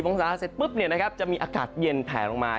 องศาเสร็จปุ๊บจะมีอากาศเย็นแผลลงมา